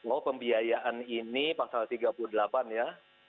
oh pembiayaan ini pasal tiga puluh delapan ya